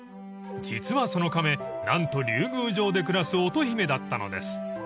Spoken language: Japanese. ［実はその亀何と竜宮城で暮らす乙姫だったのです］